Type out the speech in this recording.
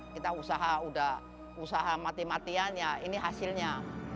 kita usaha udah usaha mati matian ya ini hasilnya